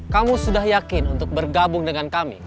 kamu sudah yakin untuk bergabung dengan kami